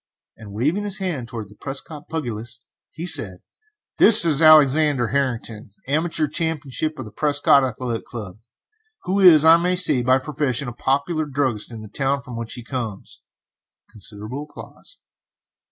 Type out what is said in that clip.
Waving his hand towards the Prescott pugilist, he said: "This is Alexander Harrington, amateur champion of the Prescott Athletic Club, who is, I may say, by profession a popular druggist in the town from which he comes. [Considerable applause.